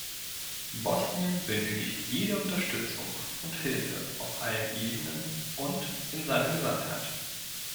Bosnien benötigt jede Unterstützung und Hilfe auf allen Ebenen und in seiner Gesamtheit.